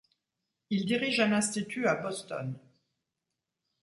Il dirige un institut à Boston.